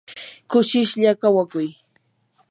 kushishlla kawakuy.